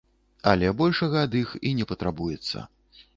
Але большага ад іх і не патрабуецца.